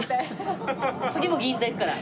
次も銀座行くから。